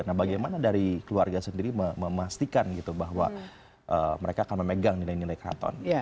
nah bagaimana dari keluarga sendiri memastikan gitu bahwa mereka akan memegang nilai nilai keraton